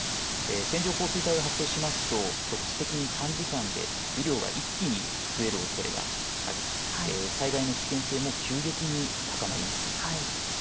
線状降水帯が発生しますと局地的に短時間で雨量が一気に増えるおそれがあり災害の危険性も急激に高まります。